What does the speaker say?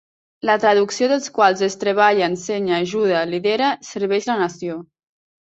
La traducció dels quals és Treballa, Ensenya, Ajuda, Lidera - Serveix la Nació.